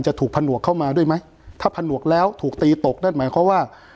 ถูกผนวกเข้ามาด้วยไหมถ้าผนวกแล้วถูกตีตกนั่นหมายความว่า